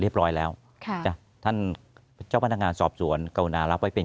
ร้อยแล้วค่ะจ้ะท่านเจ้าพนักงานสอบสวนกรุณารับไว้เป็น